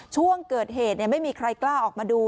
ช่วงเกิดเหตุไม่มีใครกล้าออกมาดู